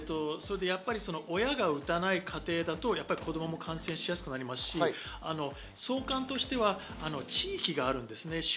親が打たない家庭だと子供も感染しやすくなりますし、相関としては地域があるんですね。